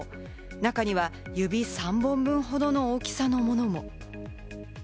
中には指３本分ほどの大きさのものも。